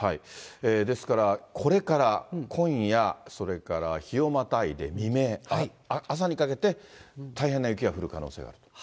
ですから、これから今夜、それから日をまたいで未明、朝にかけて、大変な雪が降る可能性がある。